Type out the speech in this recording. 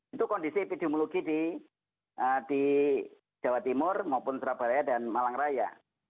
itu kondisi epidemiologi di jawa timur maupun surabaya dan malang raya